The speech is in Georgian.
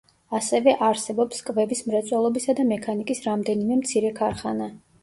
ასევე არსებობს კვების მრეწველობისა და მექანიკის რამდენიმე მცირე ქარხანა.